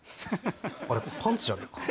あれパンツじゃねえか？